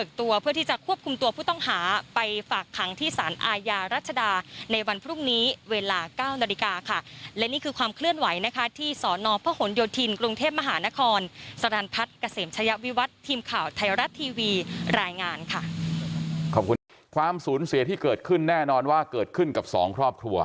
ความสูญเสียที่เกิดขึ้นแน่นอนว่าเกิดขึ้นกับสองครอบครัว